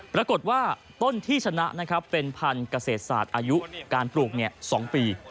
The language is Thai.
ปรากฏว่าต้นที่ชนะนะครับเป็นพันธุ์เกษตรศาสตร์อายุการปลูก๒ปี